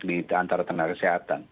di antara tenaga kesehatan